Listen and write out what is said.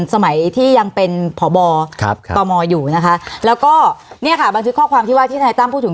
สมัยที่ยังเป็นพบตมอยู่นะคะแล้วก็เนี่ยค่ะบันทึกข้อความที่ว่าที่ทนายตั้มพูดถึง